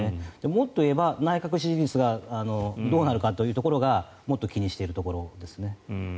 もっと言えば、内閣支持率がどうなるかというところがもっと気にしているところですね。